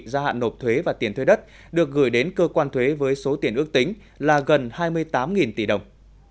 gia hạn nộp thuế và tiền thuê đất được gửi đến cơ quan thuế với số tiền ước tính là gần hai mươi tám tỷ đồng